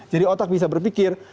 jadi otak bisa berpikir